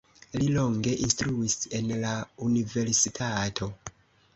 Li longe instruis en la universitato.